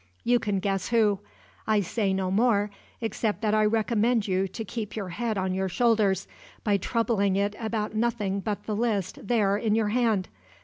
You can guess who. I say no more, except that I recommend you to keep your head on your shoulders, by troubling it about nothing but the list there in your hand.